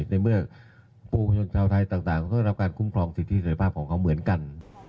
ในเมื่อปวงชนชาวไทยต่างก็ได้รับการคุ้มครองสิทธิเสร็จภาพของเขาเหมือนกัน